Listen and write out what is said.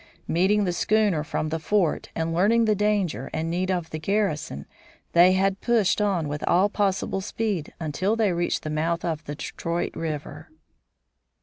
Meeting the schooner from the fort and learning the danger and need of the garrison, they had pushed on with all possible speed until they reached the mouth of the Detroit River.